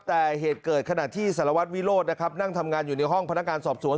แต่เหตุเกิดขณะที่สารวัตรวิโรธนะครับนั่งทำงานอยู่ในห้องพนักงานสอบสวน